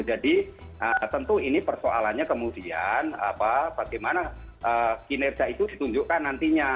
jadi tentu ini persoalannya kemudian bagaimana kinerja itu ditunjukkan nantinya